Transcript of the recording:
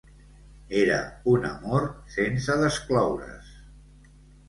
Era un amor sense descloure-s.